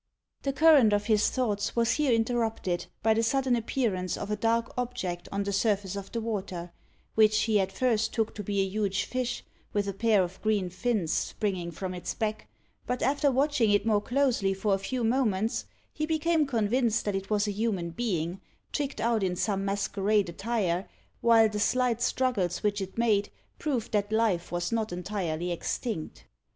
The current of his thoughts was here interrupted by the sudden appearance of a dark object on the surface of the water, which he at first took to be a huge fish, with a pair of green fins springing from its back; but after watching it more closely for a few moments, he became convinced that it was a human being, tricked out in some masquerade attire, while the slight struggles which it made proved that life was not entirely extinct.